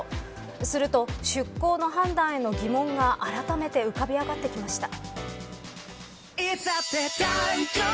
すると出港の判断への疑問があらためて浮かび上がってきました。